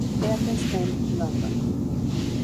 Ernest Benn, London.